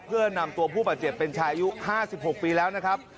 เพื่อนำตัวผู้บาดเจ็บเป็นชายอายุ๕๖ปีแล้วนะครับ